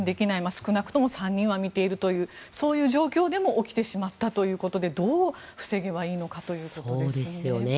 少なくとも３人は見ているというそういう状況でも起きてしまったということでどう防げばいいのかというところですね。